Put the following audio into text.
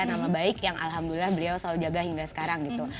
nama baik yang alhamdulillah beliau selalu jaga hingga sekarang gitu